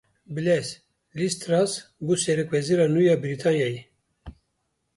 Bilez Liz Truss bû Serokwezîra nû ya Brîtanyayê.